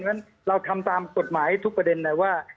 เพราะฉะนั้นเราทำตามกฎหมายทุกประเด็นนะว่า